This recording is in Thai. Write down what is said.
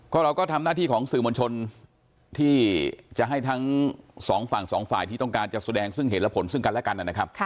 ก็เราก็ทำหน้าที่ของสื่อมวลชนที่จะให้ทั้งสองฝั่งสองฝ่ายที่ต้องการจะแสดงซึ่งเห็นและผลซึ่งกันและกันนะครับ